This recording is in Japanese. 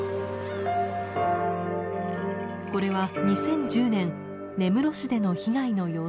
これは２０１０年根室市での被害の様子。